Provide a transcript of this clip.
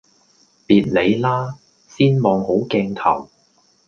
別理啦！先望好鏡頭